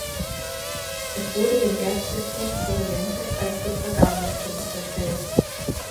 Es wurde dem Erzbistum Corrientes als Suffraganbistum unterstellt.